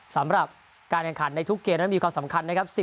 สำหรับการแข่งขันในทุกเกมนั้นมีความสำคัญนะครับ